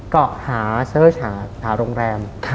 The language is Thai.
ก็หาหาโรงแรม